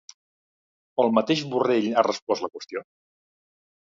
El mateix Borrell ha respost la qüestió?